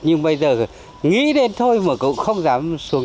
nhưng bây giờ nghĩ đến thôi mà cũng không dám xuống